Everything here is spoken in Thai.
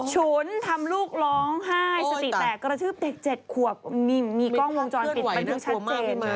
ฉุนทำลูกร้องไห้สติแตกกระทืบเด็ก๗ขวบนี่มีกล้องวงจรปิดบันทึกชัดเจน